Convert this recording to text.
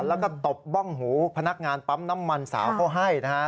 แล้วก็ตบบ้องหูพนักงานปั๊มน้ำมันสาวเขาให้นะฮะ